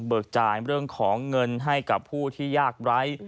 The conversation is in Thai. จ่ายเรื่องของเงินให้กับผู้ที่ยากไร้